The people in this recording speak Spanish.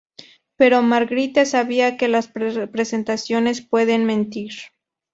Pero Magritte sabía que las representaciones pueden mentir.